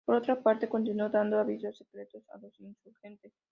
Por otra parte, continuó dando avisos secretos a los insurgentes.